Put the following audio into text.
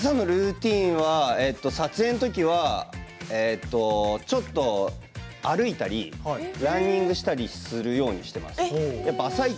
撮影の時はちょっと歩いたりランニングしたりするようにしています。